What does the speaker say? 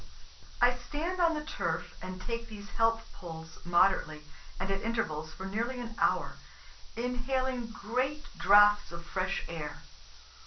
I stand on the turf and take these health pulls moderately and at intervals for nearly an hour, inhaling great draughts of fresh air.